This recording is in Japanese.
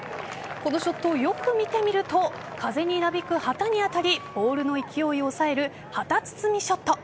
このショット、よく見てみると風になびく旗に当たりボールの勢いを抑える旗包みショット。